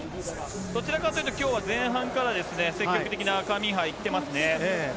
どちらかというと、きょうは前半から積極的なカミンハ、いってますね。